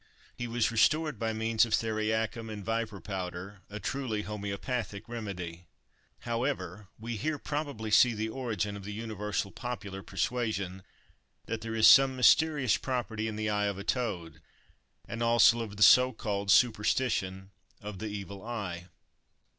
He was restored by means of theriacum and viper powder—a truly homeopathic remedy! However, we here probably see the origin of the universal popular persuasion, that there is some mysterious property in the eye of a toad; and also of the so called, superstition of the evil eye.